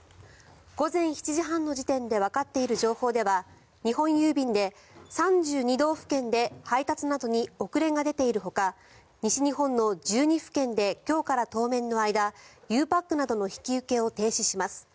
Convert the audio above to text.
午前７時半の時点でわかっている情報では日本郵便で３２道府県で配達などに遅れが出ているほか西日本の１２府県で今日から当面の間ゆうパックなどの引き受けを停止します。